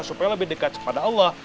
supaya lebih dekat kepada allah